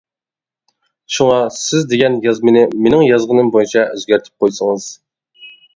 شۇڭا سىز دېگەن يازمىنى مېنىڭ يازغىنىم بويىچە ئۆزگەرتىپ قويسىڭىز.